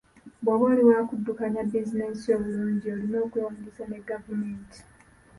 Bwoba oli wa kuddukanya bizinensi yo bulungi, olina okwewandiisa ne gavumenti.